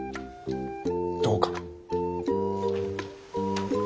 どうかな。